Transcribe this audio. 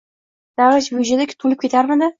davlat byudjeti to‘lib ketardimi?!